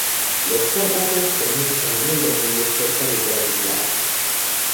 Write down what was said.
Los Cárpatos comienzan en el Danubio cerca de Bratislava.